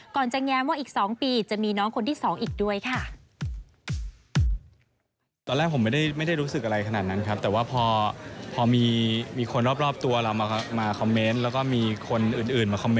ก่อนจะแง้มว่าอีก๒ปีจะมีน้องคนที่๒อีกด้วยค่ะ